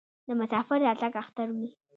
د مسافر راتګ اختر وي.